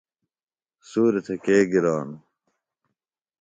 سُوریۡ تھےۡ کے گرانوۡ؟